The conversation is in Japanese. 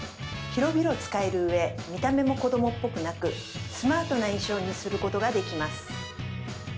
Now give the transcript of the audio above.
広々使えるうえ見た目も子どもっぽくなくスマートな印象にすることができます。